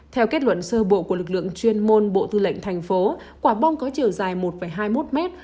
theo kết luận sơ bộ của lực lượng chuyên môn bộ tư lệnh tp quả bom có chiều dài một hai mươi một mét